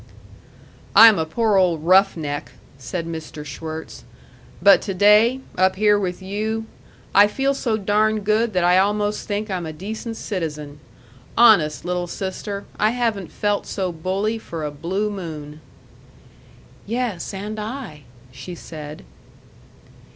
"I'm a poor old rough neck," said Mr. Schwirtz, "but to day, up here with you, I feel so darn good that I almost think I'm a decent citizen. Honest, little sister, I haven't felt so bully for a blue moon." "Yes, and I " she said.